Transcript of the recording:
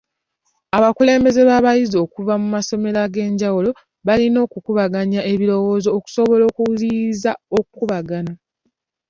Abakulembeze b'abayizi okuva mu masomero ag'enjawulo balina okukubaganya ebirowoozo okusobola okuziyiza okukubagana.